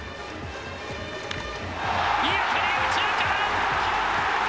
いい当たり、右中間。